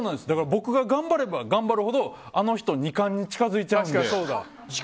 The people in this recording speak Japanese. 僕が頑張れば頑張るほどあの人が２冠に近付いちゃうんで。